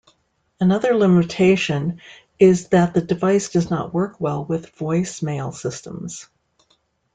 Another limitation is that the device does not work well with voice mail systems.